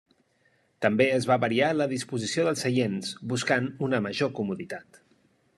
També es va variar la disposició dels seients, buscant una major comoditat.